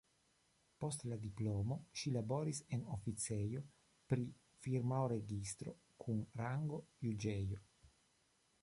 Post la diplomo ŝi laboris en oficejo pri firmaoregistro kun rango juĝejo.